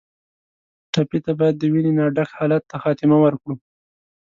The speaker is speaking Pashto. ټپي ته باید د وینې نه ډک حالت ته خاتمه ورکړو.